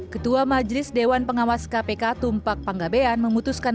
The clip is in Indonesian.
ketua majelis dewan pengawas kpk tumpak panggabean memutuskan